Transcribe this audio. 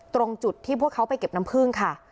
ตรงจุดที่พวกเขาไปเก็บน้ำผึ้งค่ะ